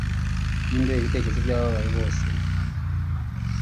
ninde ureba ibitekerezo byabababaye bose